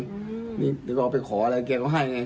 กับคนในบ้านอีกคนหนึ่งนี่เดี๋ยวก็เอาไปขอแล้วแกก็ให้ไง